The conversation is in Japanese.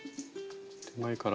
手前から。